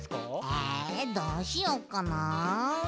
えどうしよっかな？